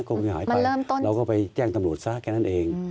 คงหายไปเราก็ไปแจ้งตำรวจซะแค่นั้นเอง